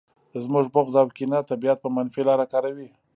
زموږ بغض او کینه طبیعت په منفي لاره کاروي